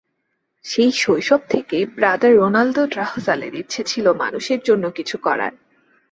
সেই শৈশব থেকেই ব্রাদার রোনাল্ড ড্রাহোজালের ইচ্ছে ছিল মানুষের জন্য কিছু করার।